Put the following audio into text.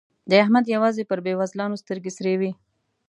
د احمد يوازې پر بېوزلانو سترګې سرې وي.